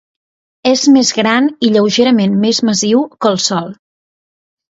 És més gran i lleugerament més massiu que el Sol.